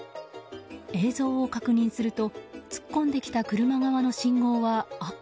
映像を確認すると突っ込んできた車側の信号は赤。